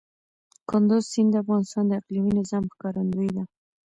کندز سیند د افغانستان د اقلیمي نظام ښکارندوی ده.